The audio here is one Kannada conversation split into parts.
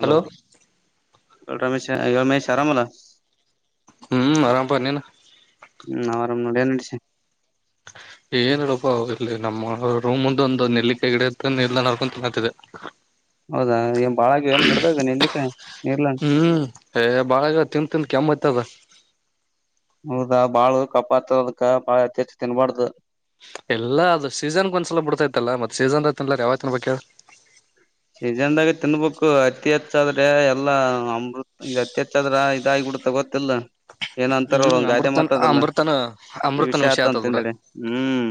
ಹಲೋ ಏಳರಾಮೇಶ ಏಳ ಮಹ ಶರಾಮ ಹ್ಞ ನರಾಮ ಪರ್ನನು ಹ್ಮ್ ಅವರಾಮ ನೋಡಿ ನ್ಡಸ ಏನ ಹೇಳಪ್ಪಾ ಇಲ್ಲಿ ನಮ್ಮ ರೂಮ್ ಮುಂದ ಒಂದು ನೆಲ್ಲಿಕ ಗಿಡ ಇ ನಿಲ್ದ ನಡ್ಕೊಂಡ ತಿತಿದೆ ಹೌದಾ ಏನ್ ಬಾಳ ಆಗ್ಯವ ಏನ್ ಗಿಡದಾಗ ನೆಲ್ಲಿಕಾಯಿ ನೀರ್ಲಾ ಹ್ಮ್ ಬಾಳಗ ತಿನ್ ತಿನ್ ಕ ಕಮ್ಮತ ಬ ಹೌದಾ ಬಾಳ ಕಪಾತ್ತದಕ ಬಾಳ ಅತಿಚ್ಚ ತಿನ್ಬಾರ್ದು ಎಲ್ಲಾ ಅದು ಸೀಸನ್ಗ ಒಂದ್ಸಲ ಬಿಡ್ತೈತ್ತಲ್ಲ ಮತ್ತ ಸೀಸನ್ ಐತ್ತನ್ಲ್ಲಾರ ಯಾವ್ತನ್ ಬೇಕ ಸೀಜನ್ದಾಗ ತಿನ್ಬೇಕು ಅತಿ ಹೆಚ್ಚಾದ್ರೆ ಎಲ್ಲಾ ಅಮೃತ್ ಇದ ಅತಿ ಹೆಚ್ಚಾದ್ರ ಇದ ಬಿಡುತ್ತಾ ಗೊತ್ತಿಲ್ಲ ಏನ ಅಂತಾರಲ್ಲ ಹ್ಮ್ ಒ ಗಾದೆ ಅಮೃತನ್ ಮಾತದಲ್ಲ ಅಮೃತನ ಅಮೃತನ ವಿಷಯ ಆತ ಆತದ್ ಬಿಡ ಅಂತಂದಳೆ ಹ್ಮ್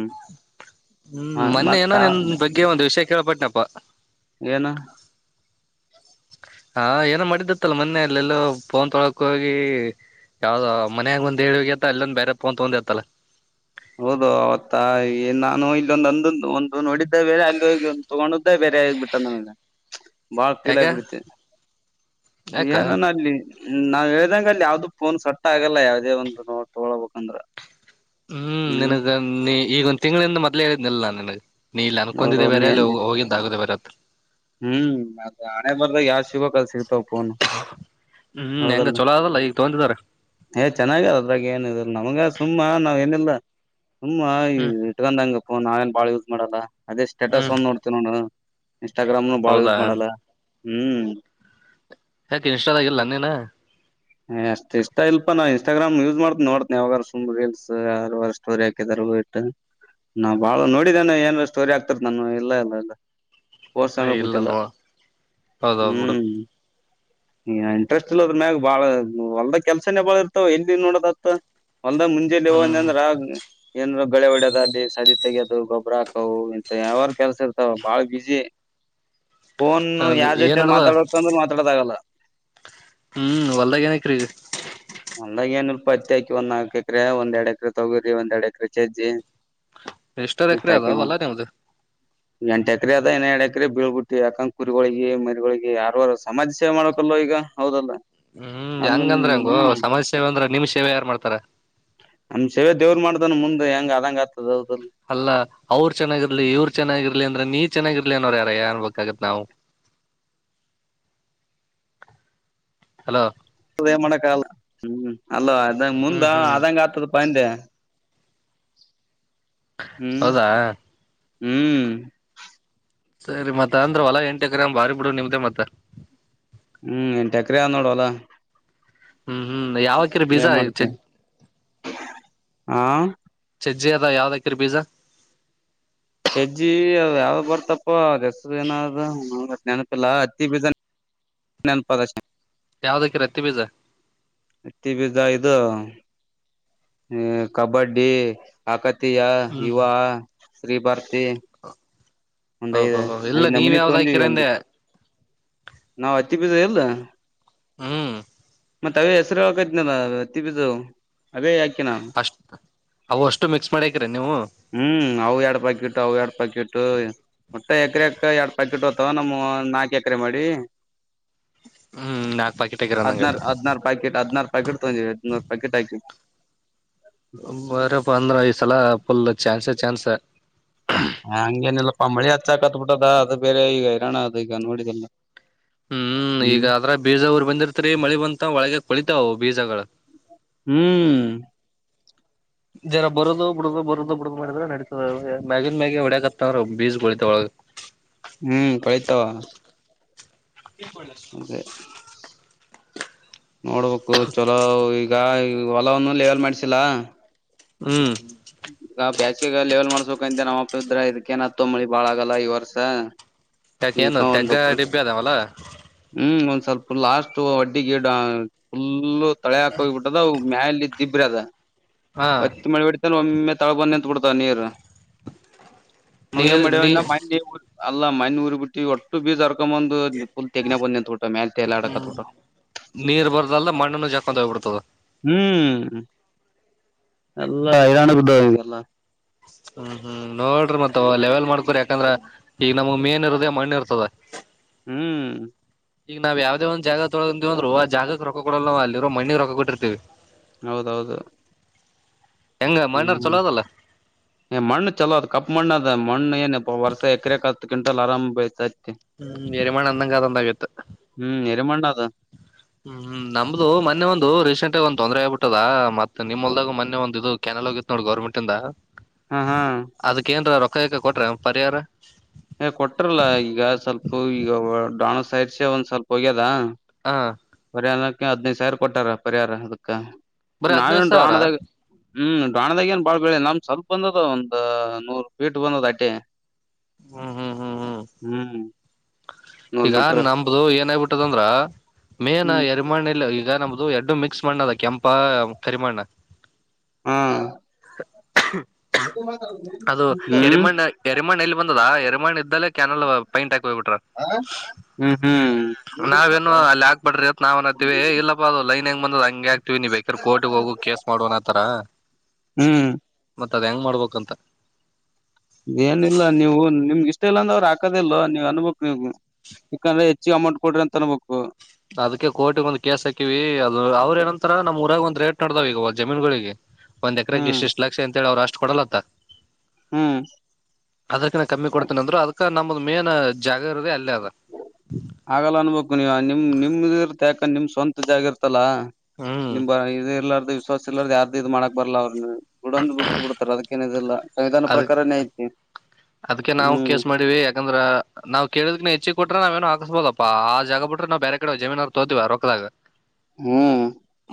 ಹ್ಮ್ ಹ ಮೊನ್ನೆ ಮತ್ತ ಏನೋ ನಿನ್ ಬಗ್ಗೆ ಒಂದು್ ವಿಷಯ ಕೇಳಳ್ಪಟ್ಟನಪ್ಪಾ ಏನು ಹಾ ಏನೋ ಮಾಡಿದ್ದತ್ತಲ್ಲ ಮೊನ್ನೆ ಅಲ್ಲೆಲ್ಲೋ ಫೋನ್ ತೊಳಕ ಹೋಗಿ ಯಾವ್ದ ಮನ್ಯಾಗ ಒಂದ್ ಹೇಳುವಗ ಅತ್ತ ಅಲ್ಲೊಂದ ಬೇರೆ ಫೋನ್ ತೋಗೊಂಡಿ ಅಂತಲ್ಲ ಹೌದು ಅವತ್ತಾ ನಾನು ಇಲ್ಲೊಂದು ಅಂದುಂದು ಒಂದು ನೋಡಿದ್ದೇ ಬೇರೆ ಅಲ್ಲಿೋಗಂದು ತಗೊಂಡುದೇ ಬೇರೆ ಬಿಯಾಗಿಬಿಟ್ಟ [inaudible] ಬಾಳ್ ಕೀಲ ಯಾಕ ಬಿಡತ್ತೆ ಯಾಕ ಏನನ್ ಅಲ್ಲಿ ಹ್ಮ ನಾವ್ ಹೇಳ್ದಂಗ ಅಲ್ಲಿ ಯಾವ್ದು ಫೋನ್ ಸಟ್ ಆಗಲ್ಲ ಯಾವವುದೇ ಒಂದು ನೋ ತೊಗೊಳ್ಬೇಕಂದ್ರ ಹ್ಮ್ ನನ್ಗ ನೀ ಈಗೊಂದ ತಿಂಗಳಿಂದ ಮೊದ್ೇ ಹೇಳಿದ್ನಲ್ಲ ನಾ ನನ್ಗ್ ನೀ ಇಲ್ಲಿ ಅನ್ಕೊಂಡಿದ್ದಿದೆ ಹೌದೌದ್ ಬೇರೆ ನೀ ಅಲ್ಲಿ ಅಂದಿದ್ ಹೋಗಿದ್ದ ಆಗುದ ಬರೆತ್ತ ಹ್ಮ್ ಅ ಹಣೆ ಬರ್ದಾಗ ಯಾವ್ ಸಿಗಕಲ್ ಸಿಗ್ತಾವ ಪಫೋನ್ ಹ್ಮ್ ಹೆಂಗ ಚೊಲೋ ಅದಲ್ಲ ಈಗ ತೊ ಏ ಚೆನ್ನಾಗ ಅದ್ರಾಗ ಏನ ಇದ್ರ ನಮಗ ಸುಮ್ಮಾ ನಾವ್ ಏನಿಲ್ಲ ಸುಮ್ಮಾ ಹ್ಮ್ ಇಟ್ಕೊಂಡಂಗಪ್ಪ ನಾವೇನ್ ಬಾಳ ಯೂಸ್ ಮಾಡಲ್ಲ ಅದೇ ಸ್ಟೇಟಸ್ ಹ್ಮ್ ಒಂದ ನೋಡ್ತವ ನ ಇನ್ಸ್ಟಾಗ್ರಾಮ್ನು ಬಾಳ್ ಹೌದಾ ಯೂಸ್ ಮಾಡಲ್ಲ ಹ್ಮ್ ಯಾಕೆ ಇನ್ಷ್ಟಲ್ ಆಗಲ್ಲ ನೀನ ಹ್ ಅಷ್ಟ ಇಷ್ಟ ಇಲ್ಪ ನಾ ಇನ್ಸ್ಟಾಗ್ರಾಮ್ ಯೂಸ್ ಮಾಡ್ತನ ನೋಡ್ತೇನೆ ಯಾವಾಗಾರ ಸು್ ರೀಲ್ಸ್ ಯ ಸ್ಟೋರಿ ಹಾಕಿದಾರೆ ನಾ ಬಾಳ ನೋಡಿದೇನೆ ಏನ್ ಸ್ಟೋರಿ ಆಗ್ತಾರ ನಾನು ಇಲ್ಲ ಇಲ್ಲ ಇಲ್ಲ ಹೋರ್ ಸಮಯ ಇಲ್ಲ ಬಿಟ್ಟಿಲ್ಲ ನೋ ಹೌದೌದ್ ಬಿಡು ಹ್ಮ್ ಹ ಇಂಟ್ರೆಸ್ಟ್ ಇಲ್ಲದ್ರ ಮ್ಯಾಗ ಬಾಳ ಹೊಲ್ದ ಕೆಲ್ಸನೇ ಬಾಳ ಇರ್ತಾವ ಎಲ್ಲಿ ನೋಡದತ್ ಹೊಲ್ದ ಮುಂಜೆಲಿಂದ ಹ್ಮ್ ಅಂದ್ರ ಆ ಏನ್ ಗಳೆ ಹೊಡ್ಯದ ಅ ದೇ ಸದಿ ತೆಗೋದು ಗೊಬ್ಬ್ರ ಹಾಕವು ಇಂತ ಯಾವಾರ ಕೆಲಸ ಇರ್ತಾವ ಬಾಳ ಬಿಜಿ [inaudible] ಫೋನ್ ಹೌದು ಯಾವ ಏನ್ ಜೊತರು ನಡ್ದ ಮಾತಾಡೋ ಅಂದ್ರರು ಮಾತಾಡದ ಆಾಗಲ್ಲ ಹ್ಮ್ ಹೊದಾಗ ಏನ ಕ್ರೀ ಅಂದಾಗ ಏನ್ೂಲ್ ಪತ್ತ ಆಾಕಿ ಒಂದ್ ನಾಕಕ್ ಎಕರೆೆ ಒಂದ್ ಎಡ್ ಎಕರೆ ತಗೋರಿಿ ಒಂದ್ ಎರಡ್ ಎಕರೆ ಚಜ್ಜಿ ಎಷ್ಟರ್ ಎಕ್ರ ಅದ ಅವಲ್ಲ ನಿವು್ದ ಎಂಟು ಎಕರೆ ಅದ ಇನ್ನ ಎರಡು ಎಕರೆ ಬೀಳ್ಬ ಬಿಟ್ಟಿ ಯಾಕಂದಂಗ ಕುರುಗಳಿಗೆ ಮರಿಗಳಿಗೆ ಯಾರಾರ ಸಮಾಜ ಸೇವೆ ಮಾಡಕಲ್ವ ಈಗ ಹೌದಲ್ಲ ಹ್ಮ್ ನಮ್ ಹೆಂಗಂದ್ರ ಹಂಗೋ ಹ್ಮ್ ಸಮಾಜ ಸೇವೆ ಅಂದ್ರ ನಿಮ್ ಸೇವೆ ಯಾರ್ು ಮಾಡ್ತಾರ ಶಿವವ ದೇವರು ಮಾಡ್ದ್ ಮುಂದೆ ಹೆಂಗ ಅದಂಗಗೆ ಆಗ್ತದ ಅಲ್ಲಾ ಅವ್ರರು ಚೆನ್ನಾಗಿರ್ಲಿ ಇವರು ಚೆನ್ನಾಗಿರ್ಲಿ ಅಂದ್ರೆ ನೀ ಚೆನ್ನಾಗಿರ್ಲಿ ಅನ್ನೋರ್ ಯಾರ ಏನ್ ಬಾಗತ್ ನಾವು [inaudible] ಹಲೋ ನ್ ಮಾಡಕಲ್ಲ ಹ್ಮ ಅಲ್ಲ ಅಂಗ ಮುಂದ ಹ್ಮ್ ಹ್ಮ್ ಅದಂಗ ಆಗ್ತದ ಪಂದೆ ಹ್ಮ್ ಹೌದಾ ಹ್ಮ್ ಸರಿ ಮತ್ತ ಅಂದ್ರ ಹೊಲಾ ಎಂಟೆ ಎಕರೆ ಬಾರಿ ಬಿಡು ನಿಮ್ದೇ ಮತ್ತ ಹ್ಮ್ ಎನ್ಟಕ್ರ ಆ ನೋಡುವ ಅಲ್ಲಾ ಹ್ಮ್ ಹ್ಮ್ ಯಾವಕಿರ ಬೀಜ ಚ ಹಾ ಸಜ್ಜಿ ಅದ ಯಾವ್ದಾಕರಿ ಬೀಜ ಹೆಜ್ಜಿ ಅ ಯಾವ್ದ ಬರ್ತಪ್ಪ ಹೆಸರು ಏನಾದ ನೆನಪಿಲ್ಲಾ ಅತ್ತಿ ಬೀಜ ನೆಂಪಾದ ಸೇನ್ ಯಾವ್ದಕಿರಿ ಹತ್ತಿ ಬೀಜ ಎತ್ತಿ ಬಿ ಜಾಯದು ಹ ಕಬಡ್ಡಿ ಆಾಕತಿಯ ಹ್ಮ್ ಯುವ ಸ್್ರೀ ಪಾರ್ಕ್ ಸ ಒಂದು್ ಐದ್ ಓಹೋ ಇಲ್ಲ ಐದ್ ನ ನೀವ್ ಮನಿ ಯಾವ್ದ ತಗೊಂಡಿವವಿ ಹಾಕಿರ ಒಂದ ಅಂದೆ ನಾವ್ ಹತ್ತಿ ಬ ಇಲ್ಲ ಹ್ಮ್ ಮತ್ತೇ ಹೆಸರು ಹಾಕದ್ನಲ್ಲ ತಬಿದ್ದ ಅದೇ ಯಾಕೆ ನ ಅಷ್ಟ್ ಅವು ಅಷ್ಟು ಮಿಕ್ಸ್ ಮಾಡ್ಯಾಕ್ರೀ ನೀವು ಹ್ಮ್ ಅವು ಎರಡ್ ಪಾಕೆಟ್ು ಅವು ಎರಡ್ ಪಾಕೆಟ್ ಒಟ್ಟೆ ಎಕರೆ ಎಕ ಎರಡ್ ಕಿಟ್ ಹತ ನಮ್ಮ ನಾಕು ಎಕರೆ ಮಾಡಿ ಹ್ಮ್ ನಾಕ್ ಪಾಕೆಟ್ ಹಾಕಿರ ಅಂದಂಗ ಹದಿನಾರು ಆಯ್ತು ಹದಿನಾರ ಪ್ಯಾಕೆಟ್ ಹದ್ಾರು ಪ್ಯಾಕೆಟ್ ತಗಂದವಿ ಹದಿನಾರ ಪ್ಯಾಕೆಟ್ ಆಾಕ ಬರಪ್ಪ ಅಂದ್ರ ಐ್ ಸಲ ಫುಲ್ ಚಾನ್ಸ ಚಾನ್ಸ್ ಹ ಹಂಗೇನಿಲ್ಲ ಪಂಬಳಿ ಹಚ್ಚಾಕತ್ ಬಿಿಟ್ಟದ ಅದು ಬೇರೆ ಈಗ ಇರೋಣ ಅದು ಈಗ ನೋಡಿದೆಲ್ಲ ಹ್ಮ್ ಈಗ ಅದ್ರ ಬೀಜ ಊರ್ ಬಂದಿರ್ತರಿ ಮಳಿ ಬಂತ ಒಳಗ ಕುಳಿತಾವವು ಬೀಜಗಳ ಹ್ಮ್ ಜನ ಬರುದು ಬಿಡದು ಬರುದು ಬಿಡ ಮಾಡಿದ್ರ ನಡಸತದ ಮ್ಯಾಗಿನ್ ಮ್ಯಾಗಿಿ ಹೊಡ್ಯಾತ್ತತ್ವ್ರ ಬೀಜ ಗೊಳಿತ ಒಳ [inaudible] ಹ್ಮ್ ಕಳತಾವ ಅತ್ತ ನೋಡ್ಬೇಕು ಚೊಲೋ ಈಗ ಹೊಲವನ್ನು ೇವೆಲ್ ಮಾಡ್ಿಸಿಲ್ಲ ಹ್ಮ್ ಹಾ ಬ್ಯಾಚ್ ಲೆವೆಲ್ ಮಾಡ್ಸಬೇಕು ಅಂತ ನಮ್ಮಪ್ಪ ಇದ್ರ ಇದಕೇನತ್ತ ತಂಬಳಿ ಬಾಳ ಆಗಲ್ಲ ಈ ವರ್ಸ ಯಾಕ ಈ ಏನು ತೆಗ್ಗ ಒಂದು ಡಿಬ್ಬಿ ಅದಾವಲ್ಲ ಹ್ಮ್ ಸ್ವಲ್ಪ ಲಾಸ್ಟ್ ಅಡ್ಡಿ ಗಿಡ ಫುಲ್ಲು ತಳೆ ಹಾಕ ಹೋಗಿಬಿಟ್ಟದ ಮ್ಯಾಲ ದಿಬ್ರ ಅದ ಹಾ ಒತ್ತಿ ಮಳಬಡ ಒಮ್ಮೆ ತಾಳ ಬನ್ನಿ ಅಂತ ಕೊಡ್ತಾವ ನೀರು ಅ್ಯ ನೀರ್ ಮಡ್ಯವ ಇ ನೀ ಮ ಅಲ್ಲ ಮೈನೂಊ ಬಿಟ್ಟಿ ಒಟ್ಟು ಬೀಜ ಸರ್ಕೊಂಬಂದು ಹ್ಮ್ ನೀರ್ ಬರ್ದಲ್ಲ ಮಣ್ಣನ್ನು ಜಾಕೊಂಡ ಹೋಗ್ಬಿಡ್ತದ ಹ್ಮ್ ಎಲ್ಲ ಹೈರಾಣ್ದ ಈಗೆಲ್ಲ ಹ್ಮ್ ಹ್ಮ್ ನೋಡ್ರಿ ಮತ್ತೆ ಅಥವಾ ಲೆವೆಲ್ ಮಾಡ್ಕರಿ ಯಾಕಂದ್ರ ಈಗ ನಮ್ ಮೇನ್ ಇರದೆ ಮಣ್ಣ ಇರ್ತದ ಹ್ಮ್ ಈಗ ನಾವ ಯಾವ್ದದ ಒ್ ಜಾಗ ತೊಳಗೊಂಡೀವಂದ್ ಆ ಜಾಗಕ್ ರೊಕ್ಕ ಕೊಡಲ್ಲವ ಅಲ್ಲಿರೋ ಮ್ಣಿಗೆ ರೊಕ್ಕ ಕೊಟ್ಟರ್ತತಿವಿ ಹೌದೌದು ಹೆಂಗ ಮಣ್ಣರ್ ಚಲೋ ಹ್ಮ್ ಅದಲ್ಲ ಮಣ್ಣ ಚಲೋದು ಕಪ್ಪ ಮಣ್ಣದ ಮಣ್ಣ ವರ್ಷ ಎಕರೆಕತ್ತು ಕ್ವಿಂಟಲ್ ಆರಾಮ್ ಹ್ಮ್ ಎರಿಮಾಣ ಅಂದಂಗ ಅ ಆದಂದ ಆಗತ್ತು ಹ್ಮ್ ಎರೆ ಮಣ್ಣ ಅದ ಹ್ಮ್್ಮ್ ನಮ್ದ ಮೊೆ ಒಂದು ರೀಸೆಂಟ್ಗ ಒಂದ್ೊಂದರೆ ಆಗ್ಿಬಿಟ್ಟದ ಮತ್ ನಿಮಮ್ಮಲ್ದಾಗ ಮೊೆ ಒಂದು ಇದು ಕೆ ನ ಹೋಗಿ ನೋಡಿ ಗೌರ್ಮೆಟ್ ಇಂದ ಹಾ ಹಾ ಕ್ಕಾಯಕ ಕೊಟ್ರೆ ಪರಿಹಾರ ಏ ಕೊಟ್ರಲ್ಲ ಈಗ ಸ್ವಲ್ಪ ಈಗ ಡಾಣ ಸೈರ್ಸಿ ಒಂದ್ ಸ್ವಲ್ಪ ಹೋಗ್ಯದ ಹಾ ಪರಿಹಾರಕ್ಕೆ ಹದ್ಿನೈದದು ಸಾವಿರ ಕೊಟ್ಟಾರ ಪರಿಹಾರ ಅದಕ್ಕ ಬರೀ ಹದ್ನೈದು ನಾವೇನ್ ಸಾವಿರ ಡೋಣ ಹ್ಮ್ ಡೋಾಣದಾಗ ಏನ್ ಬಾಳ್ ಬೆಳಿ ನಮ್ ಸ್ವಲ್ಪ ಬಂದದ ಒಂದ್ ನೂರ್ ಫೀಟ್ ಬಂದದ ಅಟ್ಟೆ. ಹ್ಮ್ ಹ್ಮ್ ಹ್ಮ್ ಹ್ಮ್ ಹ್ಮ್ ನೂರ್ ಈಗ ಮೀಟ್ರ ನಂಬ್ದ ಏನಾಗಬಿಟ್ಟದಂದ್ರ ಮೇನ್ ಎರಿಮಾಣ್ಣ ಈಗ ನಮದು ಎರಡು ಮಿಕ್ಸ್ ಮಣ್ಣ ಅದ ಕೆಂಪ ಕರಿಮಣ್ಣ ಹಾ ಅದು ಎರಿ ಹ್ಮ್ ಮಣ್ಣ ಎರಿ ಮಣ್ಣ ಲ್. ಬಂದದಾ ಎರಿ ಮಣ್ಣ ಇದ್ದಲ್ಲೇ ಕ್ಯನಲ್ ಪೈಂಟ್ ಹಾಕ್ ಹೋಗ್ಬಿಟರ. ಹ್ಮ. ಹ್ಮ್ಮ್ ಹ್ಮ್ಮ್ ನಾವೇನು ಅಲ್ಲಿ ಹಾಕ್ಬಡ್ರಿ ಅಂತ ನಾವ್ ಅನತಿವಿ ಏ ಇಲ್ಲಪ್ಪ ಅದು ಲೈನ್ ಹೆಂಗ ಬಂದದ ಹಂಗೆ ಹಾಕ್ತಿವಿ ನೀ ಬೇಕಿರ್ ಕೊರ್ಟಿಂಗ್ ಹೋಗು ಕೇಸ್ ಮಾಡು ಅನಾತರ. ಹ್ಮ್ ಮತ್ತ ಅದ್ ಹೆಂಗ್ ಮಾಡ್ಬೇಕಂತ. ಏನಿಲ್ಲ ನೀವು ನಿಮ್ಗ್ ಇಷ್ಟ ಇಲ್ಲ ಅಂದ ಅವ್ರು ಹಾಕೋದಿಲೊ ನೀವ್ ಅನ್ಬಕ್ ನೀವ. ಯಕಂದ್ರೆ ಹೆಚ್ಚಿಗ್ ಅಮೌಂಟ್ ಕೊಡ್ರಿ ಅಂತ ಅನ್ಬೇಕು. ಅದಕ್ಕೆ ಕೋಟಿಗ್ ಒಂದ್ ಕೇಸ್ ಹಾಕಿವಿ ಅದು ಅವ್ರ ಏನಂತಾರ ನಮ್ ಊರಾಗ ಒಂದ್ ರೇಟ್ ನಡ್ದಾವ್ ಈಗ ಜಮೀನುಗಳಿಗಿ. ಒಂದ್ ಎಕರೆ ಕ ಹ್ಮ್ ಇಷ್ಟು ಇಷ್ಟ ಲಕ್ಷ ಅಂತ ಹೇಳಿ ಅವ್ರು ಅಷ್ಟ ಕೊಡಲಂತ. ಹ್ಮ್ ಅದರ್ ಕಿನ ಕಮ್ಮಿ ಕೊಡ್ತೀನಿ ಅಂದ್ರು ಅದಕ್ಕ ನಮ್ಮ್ದ ಮೇನ್ ಜಾಗ ಇರದ ಆಲ್. ಅಲ್ ಆದ. [unintelligible] ನಿಮ್ ನಿಮ್ ಇರುತ್ತ ಯಾಕ ನಿಮ್ ಸ್ವಂತ ಜಾಗ ಇರ್ತಲ್ಲ ಹ್ಮ್ ನಿಮ ಇದು ಇರ್ ವಿಶ್ವಾಸ ಇರ್ಲಾದೇ ಯಾರದು ಇದು ಮಾಡಕ್ ಬರ್ಲ್ಲ ಅವ್ರ ನ್ನ ಬಿಡಂದ್ರ ಬಿಟ್ಟು ಬಿಡ್ತಾರೆ ಅದಕ್ಕ ಏನ ಇದು ಇಲ್ಲ. ಸಂವಿಧಾನ ಪ್ರಕಾರ ನೆ ಐಟಿ. ಅದ್ಕ್ಕೆ ನಾವು ಕೇಸ್ ಮಾಡಿವಿ ಯಾಕಂದ್ರ ನಾವ್ ಹೇಳಿದ್ ಕಿನ ಹೆಚ್. ಬ ಬಿಟ್ರೆ ನಾವ ಏನು ಹಾಕ್ಸ್ಬೋದಪ್ಪಾ ಆ ಜಾಗ ಬಿಟ್ರ ನಾವು ಬೇರೆ ಕಡೆ ಜಮೀನರ ತೋಗತಿವ ಆ ರೊಕ್ದಾಗ. ಹ್ಮ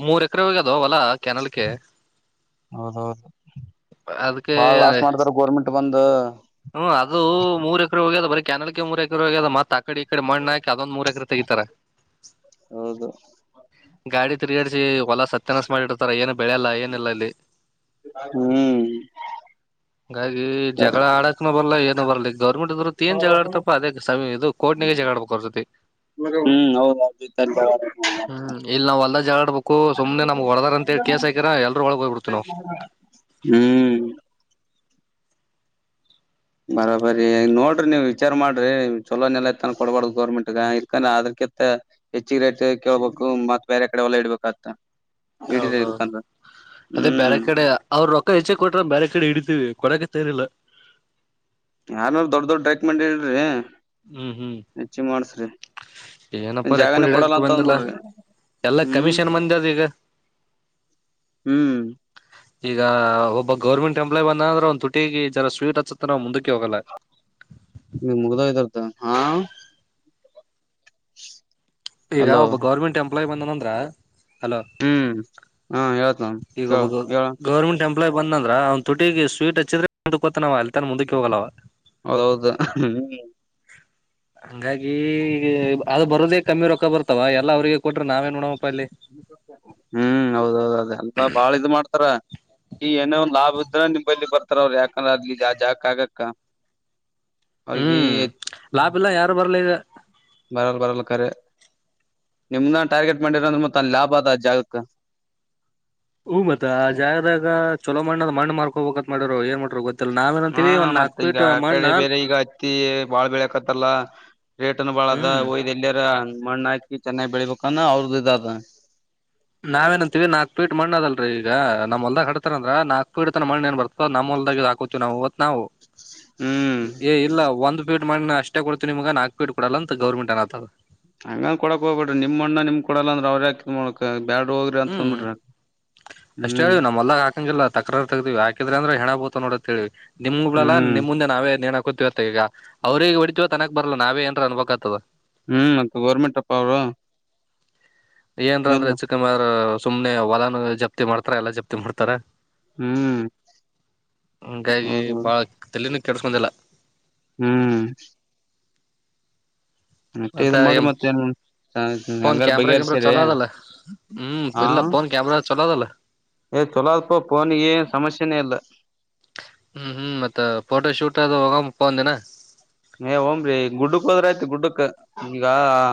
ಮೂರ್ ಎಕರೆ ಹೋಗ್ಯದೋ ಹೊಲಾ ಕ್ಯಾನಲ್ಕೆ. ಹೌದೌದು ಅದಕ್ಕೆ ಬಾಳ ಲಾಸ್ ಮಾಡತಾರ ಗೋರ್ಮೆಂಟ್ ಬಂದು. ಹ್ಮ್ ಅದು ಮೂರು ಎಕರೆ ಹೋಗ್ಯದ ಬರೆ ಕ್ಯಾನಲ್ಕೆ ಮೂರ್ ಎಕರೆ ಹೋಗ್ಯದ ಮತ್ತತ್ ಆ ಕಡೆ ಈ ಕಡೆ ಮಣ್ಣಾಕ ಅದೊಂದ್ ಮೂರ್ ಎಕರೆ. ತೆಗಿತಾರ. ಹೌದು ಗಾಡಿ ತಿರುಗಾಡಿಸಿ ಹೊಲ ಸತ್ಯನಾಸ ಮಾಡಿರ್ತಾರ ಏನು ಬೆಳೆಯಲ್ಲ ಏನ ಇಲ್ಲ ಅಲ್ಲಿ. ಹ್ಮ್ ಗಾಗಿ ಸರಿ ಜಗಳ ಅಡಕನು ಬರಲ. ಗೌರ್ಮೆಂಟ್ ದೋರ್ ಎನ್ ಜಗಳಾಡ್ತಪ್ಪ ಅದೇ ಇದು ಕೋರ್ಟಿನಲ್ಲಿ ಜಗಳ ಆಡಬೇಕು. ಹ್ಮ್ ಹೌದದು. ಹ್ಮ್ ಇಲ್ಲಿ ನಾವ್ ಹೋಲ್ದಾಗ ಜಳಾಡ್ಬೇಕು ಸುಮ್ನೆ ನಮ್ಗ್ ಹೊಡದಾರ ಅಂತ ಹೇಳಿ ಕೇಸ್ ಹಾಕ್ಯರ ಎಲ್ರೂ ಒಳಗ್ ಹೋಗ್ಬಿಡ್ತಿ ನಾವು. ಹ್ಮ್ ಬರೋಬರಿ ನೋಡ್ರಿ ನೀವ್ ವಿಚಾರ ಮಾಡ್ರಿ ಚೊಲೋನೆಲ್ಲಾ ಇತ್ತಾನ ಕೊಡ್ಬಾರ್ದು ಗೋರ್ಮೆಂಟ್ಗ ಇರ್ಕಂದ್ರ ಆದ್ರ. ತ್ತ ಹೆಚ್ಚಿಗೆ ರೇಟ್ ಕೇಳ್ಬೇಕು ಮತ್ ಬೇರೆ ಕಡೆ ಹೊಲ ಇಡ್ಬೇಕತ. ಹೌದೌದು ಅದೇ ಬೇರೆ ಹ್ಮ್ ಕಡೆ ಅವ್ರ ರೊಕ್ಕ ಹೆಚ್ಚೆ ಕೊಟ್ರ ಬೇರೆ ಕಡೆ ಹಿಡ ಕೊಡಕ್ಕೆ ತಯಾರಿಲ್ಲ. ಯಾರ್ನರ ದೊಡ್ ದೊಡ್ ರೆಕ್ಮೆಂಡ್ ಇಡ್ರಿ ಹ್ಮ್ ಹ್ಮ್ ಹೆಚ್ಚಿಗ್ ಮಾಡಸ್ರಿ. ಏನಪ್ಪಾ ಜಾಗನೇ ರೆಕಮೆಂಡ್ ಕೊಡಲ್ಲ ಇಡಕ್ ಅಂತ ಬಂದಿಲ್ಲ ಅಂದ್ಬಿಡ್ರಿ ಎಲ್ಲಾ ಹ್ಮ್ಮ್. ಕಮಿಷನ್ ಮಂದಿ ಅದ ಈಗ ಹ್ಮ್ ಈಗ ಒಬ್ಬ ಗೌರ್ಮೆಂಟ್ ಎಂಪ್ಲಾಯ್ ಬಂದ್ರೆ ಒಂದು ತುಟಿಗೆ ಜರ ಸ್ವೀಟ್ ಹಚ್ಚತನ್ ಮ ಮುಗಧಾವ ಇರ್ದುದು. ಈಗ ಅಲೋ ಒಬ್ಬ ಗೌರ್ಮೆಂಟ್ ಎಂಪ್ಲಾಯಿ ಬಂದನಂದ್ರ. ಹಲೋ ಹ್ಮ್ ಹಾ ಹೇಳ್ತ ಈಗ ಕೇಳ ಒಬ್ಬ ಹೇಳ ಗೌರ್ಮೆಂಟ್ಟ ಎಂ. ಬಂದ ಅಂದ್ರ ಅವನ್ ತುಟಿಗೆ ಸ್ವೀಟ್ ಹಚ್ಚಿದ್ರ. ಮುಂದಕ್ಕ ಹೊತನವ ಅಲ್ತಾನ ಮುಂದಕ್ಕೆ ಹೋಗಲ್ಲವ. ಹೌದೌದು ಹ್ಮ್ ಹಂಗಾಗಿ ಅದ ಬರೋದೇ ಕಮ್ಮಿ ರೊಕ್ಕ ಬರ್ತವ ಎಲ್ಲ ಅವ್ರರಿಗೆ ಕೊಟ್ರೆ ನಾವೇನ್ ಉಣ್ಬೆಕ್ ಹ್ಮ್ ಹೌದೌದ ಅದ ಎಲ್ಲ ಬಾಳ ಇದ್ ಮಾಡ್ತಾರ. ಈ ಏನೋ ಒಂದ್ ಲಾಭ ಇದ್ರ ನಿಮ್ ಬಲ್ಲಿ ಬರ್ತಾರ ಅವ್ರರು ಯಾಕಂದ್ರ ಅ ಜಾಕ ಆಗಕ್ಕ. ಅವರಿಗಿ ಹ್ಮ್ ಲಾಭ ಇಲ್ಲ ಯಾರು ಬರ್ಲಿ ಈಗ ಬರಲ ಬರಲ ಕರೆ. ನಿಮ್ ನ ಟಾರ್ಗೆಟ್ ಮಾಡ್ಯಾರ ಅಂದ್ರೆ ಮತ್ತ ಅ ಲಾಭ ಅದ ಜಾಗಕ್ಕೆ. ಹೂ ಮತ್ತ ಆ ಜಾಗದಾಗ ಚೊಲೋ ಮಣ್ಣದ ಮಣ್ಣ ಮಾರ್ಕೋಬಬೇಕತ್ ಮಾಡ್ತಾರೋ ಏನ್ ಮಾಡ್ಯಾರೋ ಗೊತ್ ಹಾ ಮತ್ತೆ ಈಗ ಆ ಕಡೆ ಬೇರೆ ಈಗ ಹತ್ತಿ ಬಾಳ್ ಬೆಳಕತ್ತಲ್ಲ ರೇಟನ್ ಬಾಳದ ಹ್ಮ್ ಒಯ್ದ ಎಲ್ಲಿಯಾರ ಮಣ್ಣ ಹಾಕಿ ಚೆನ್ನಾಗ್ ಬೆಳಿಬೇಕಾನ ಅವ್ರದ ಇದದ ನಾವೇನಂತೀವಿ ನಾಕ್ ಪಿಟ್ ಮಣ್ಣದಲ್ಲ ಈಗ ನಮ ಹೊಲ್ದಾಗ ಹಡತಾರ ಅಂದ್ರ ನಾಕು ಇತ ನ ಮಣ್ಣ ನ್ ಬರ್ತ ನಮ್ಲ್ದಾಗ ಇ ಹಾಕೋತಿ ನಾವು ನಾವು ಹ್ಮ್ ಏ ಇಲ್ಲ ಒಂದು ಫೀಟ್ ಮಣ್ಣ ಅಷ್ಟೇ ಕೊಡ್ತವಿ ನಿಮಗೆ ನಾಕ್ಪಿಟ ಕೊಡಲ್ಲ ಅಂತ ಗೌರ್ಮೆಟ್ ಅನತದ ಹಂಗನ್ ಕೊಡಕ್ ಹೋಗ್ಬೇ್ರಿ ನಿಮ್ ಮಣ್ಣು ನಿಮ್ ಕೊಡಲ್ಲ ಅಂದ್ರ ಅವ್ರ ಯಕೋ ಮಾಡಬೇಕು ಬ್ಯಾಡ್ ಹೋಗ್ರಿ ಹ್ಮ್ ಅಂತಂದ್ಬಿಟ್ರಿ ಹ್ಮ್ ಹಂಗಿಲ್ಲ ತಕ್ರ ತಗ್ದೀವಿಾಕಿದ್ರೆ ಅಂದ್ರೆ ಹೆಣ ಬುಳ್ತಾವ ಅಂತ ನೋಡೇವಿ ನಿಮ್ಗ್ಳಲ್ಲಾ ಹ್ಮ್ ನಿಮ್ಮ ಮುಂದೆ ನಾವೇ ಗೊತ್ತತಿವತ್ತ ಈಗ ಅವ್ರಿಗೆಗ ಹೊಡತಿೀವ ತನಕ್ ಬರಲ್ಲ ನಾವೇ ಏನ್ರ ಅನಬೇಕಾಗ್ತದ ಹ್ಮ್ ಮತ್ತ ಗೋರ್ಮೆಂಟ್ ಅಪ್ಪ ಅವರು ಏನ್ರ ಇಲ್ಲ ಅಂದ್ರೆಚ್ಚುಕಮ ಸುಮ್ನೆ ಹೊಲನ್ ಜಪ್ತಿ ಮಾಡ್ತಾರ ಎಲ್ಲಾ ಜಪ್ತಿ ಮಾಡ್ತಾರ ಹ್ಮ್ ಹಂಗಾಗಿ ಹೌದೌದು ಬಾಳ ತಲಿನ ಕೆಡ್ಸ್ಕಂದಿಲ್ಲ ಹ್ಮ್ ಇದ್ ಮತ್ತೆ ಮಾಡ್ರಿ ಎಂ ಮತ್ತೇನ್ ಫೋನ್ ಹೆಂಗಾರ ಕ್ಯಾಮ್ರಾ ಗಿಮ್ರಾ ಬಗೆಹರ್ಸರಿ ಚಲೋ ಅದಲ್ಲ ಹ್ಮ್ ಇಲ್ಲ ಪೋನ್ ಕ್ಯಾಮೆರಾ ಚಲದಲ್ಲ ಹೇ ಚೊಲೋ ಅಪ್ಪ ಪೋನ್ಗೆ ಏನ್ ಸಮಸ್ಯೆನೇ ಇಲ್ಲ ಹ್ಮ್ ಹ್ಮ್ ಮತ್ತ ಫೋಟೋ ಶೂಟ್ ಅದು ಹೋಗಪ್ಪ ಒಂದ ದಿನ ಹೇ ಹೋಗೀನರೇ ಗುಡ್ಡಕ್ ಹೋದ್ರ ಆಯ್ತ್ ಗುಡ್ಡಕ್ ಈಗ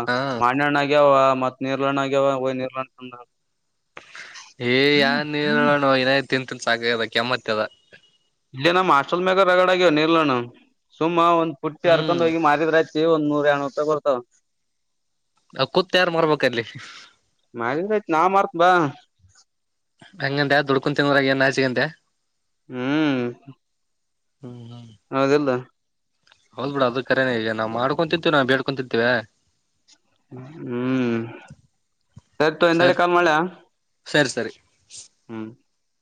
ಹಾ ಮಾಣ್ಯಣ್ಣಾಗ್ಯಾವ ಮತ್ತತ್ ನೀರ್ಲಾಣ ಆಗ್ಯಾವ ಹೊಗೆ ನೀರ್ಲಾಣ ತಿಂದಾ ಆಯ್ತು ಏ ಯಏನ್ ನೀರುಣ ನ ತಿಂತನ್ ಸಾಕದ ಕೆಮ್ಮತ್ತ ಅದ ಇಲ್ಲಿ ನಮ್ಮ್ ಹಾಸ್ಟಲ್ ಮೇಾಗರಗಡ ಆಗ್ಯ ನೀರ್ಲಾಣ ಸುಮ್ಮ್ ಒಂದ ಪುಟ್ಟಿ ಹರ್ಕೊಂಡ್ ಹ್ಮ್ ಹೋಗಿ ಮಾರಿದ್ ರ ಆಯ್ತು ಎ ನ್ನೂರು ಎರಡುನೂರು ರೂಪಾಯಿ ಕೊಡುತ್ತಾರಾ ಆ ಪುಟು ಯಾರು ಮರ್ಬೇಕಅಲ್ಲಿ ಮಾಡಿದ್ರಯ್ತ್ ನಾ ಮಾರ್ತ್ ಬಾ ಹಂಗಂತೆ ದುಡ್ಕೊಂತೀನ್ವ್ರಗ ನಾಚಿಗಂತೆ ಹ್ಮ್ ಹ್ಮ ಹ್ಮ ಹೌದಿಲ್ಲ ಹೌದ್ ಬೇಡು ಅದ ಕರೇನೇ ಈಗ ನಾ್ ಮಾಡ್ಕೊಂತಿರ್ವಿ ನಾವು ಬೇಡ್ಕೊಂತಿರ್ತಿೇವೆ ಹ್ಮ್ ಸರಿ ತೊಗೊ ಇಂದಡೆ ಕಾಲ್ ಮಾಡಲಾ [inaudible]